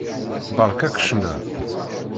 Beṛka-k ccna.